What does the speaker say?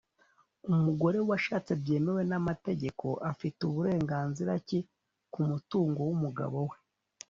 umugore washatse byemewe n’amategeko afite uburenganzira ki ku mutungo w’umugabo we?